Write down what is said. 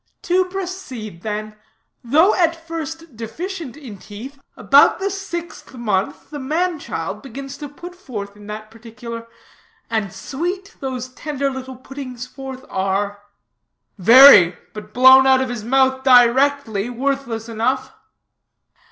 "To proceed then: though at first deficient in teeth, about the sixth month the man child begins to put forth in that particular. And sweet those tender little puttings forth are." "Very, but blown out of his mouth directly, worthless enough."